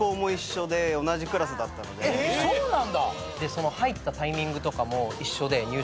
そうなんだ？